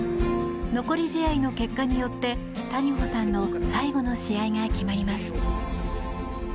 残り試合の結果によって谷保さんの最後の試合が決まります。